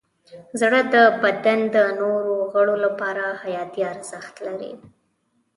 زړه د بدن د نورو غړو لپاره حیاتي ارزښت لري.